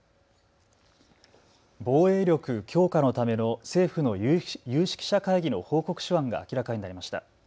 防衛力強化のための政府の有識者会議の報告書案が明らかになりました。